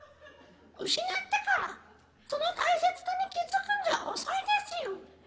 失ってから、その大切さに気付くんじゃ遅いですよ！